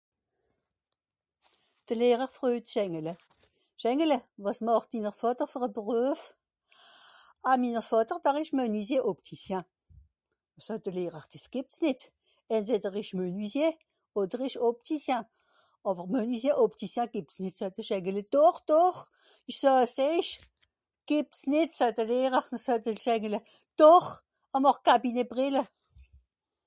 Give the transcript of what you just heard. "De Lehrer fröjt Schengele : ""Schengele, wàs màcht dinner Vàter fer e Beruef ?"". ""Ah minner Vàter, dar ìsch Menuisier-Optitien"". Soet de lehrer ""Dìs gìbbt's nìt, entweder ìsch Menuisier, odder ìsch Optitien. Àwer Menuisier-Optitien gìbbt's nìt."" Soet de Schengele ""Doch ! Doch ! Ìch soe's èich !"". ""Gìbbt's nìt soet de Lehrer"". Noh soet de Schengele ""Doch, ar màcht Kabineebrìlle !""."